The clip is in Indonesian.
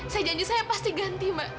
saya janji saya pasti ganti mbak